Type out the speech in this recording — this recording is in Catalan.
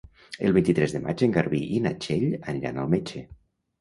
El vint-i-tres de maig en Garbí i na Txell aniran al metge.